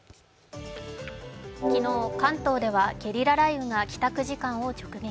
昨日、関東ではゲリラ雷雨が帰宅時間を直撃。